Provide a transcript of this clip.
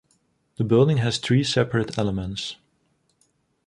The building has three separate elements.